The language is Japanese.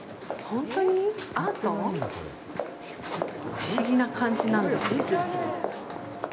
不思議な感じなんですよ。